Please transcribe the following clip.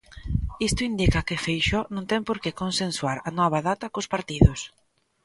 Isto indica que Feixóo non ten por que consensuar a nova data cos partidos.